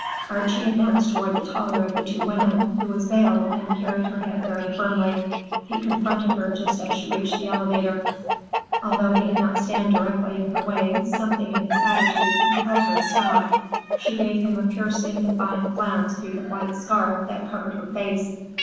Archie advanced toward the taller of the two women, who was veiled and carried her head very firmly. He confronted her just as she reached the elevator. Although he did not stand directly in her way, something in his attitude compelled her to stop. She gave him a piercing, defiant glance through the white scarf that covered her face.